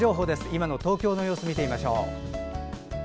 今の東京の様子見てみましょう。